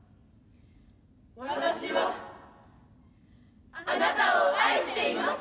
私はあなたを愛しています。